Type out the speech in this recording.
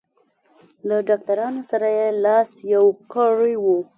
له ډاکټرانو سره یې لاس یو کړی و.